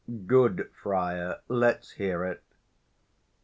_ Good friar, let's hear it.